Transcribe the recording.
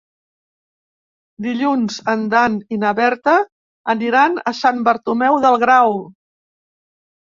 Dilluns en Dan i na Berta aniran a Sant Bartomeu del Grau.